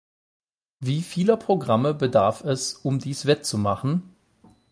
Wie vieler Programme bedarf es, um dies wettzumachen?